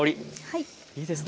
いいですね。